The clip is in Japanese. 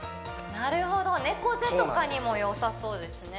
なるほど猫背とかにもよさそうですね